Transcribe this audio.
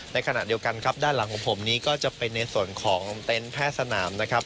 ในขณะเดียวกันครับด้านหลังของผมนี้ก็จะเป็นในส่วนของเต็นต์แพทย์สนามนะครับ